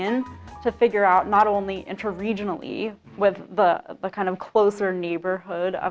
untuk mencari bukan hanya interregional dengan kota kota yang lebih dekat